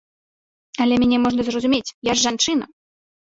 Але мяне можна зразумець, я ж жанчына!